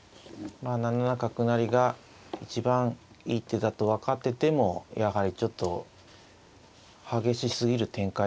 まあ７七角成が一番いい手だと分かっててもやはりちょっと激しすぎる展開ですのでね。